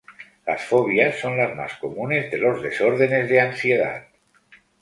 Las fobias son las más comunes de los desórdenes de ansiedad.